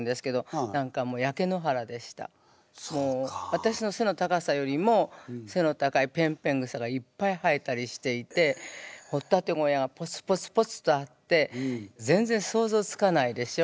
私のせの高さよりもせの高いぺんぺん草がいっぱい生えたりしていて掘っ立て小屋がポツポツポツとあって想像つかない。